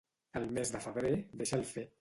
El mes de febrer, deixa'l fer.